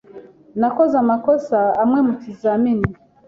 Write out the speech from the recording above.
Nakoze amakosa amwe mukizamini.